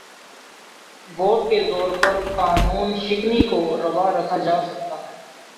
Vote کے زور پر قانون شکنی کو روا رکھا جا سکتا ہے۔